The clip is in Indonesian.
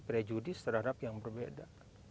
prejudis terhadap yang berbeda